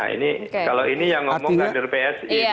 nah ini kalau ini ya ngomong nggak dari psi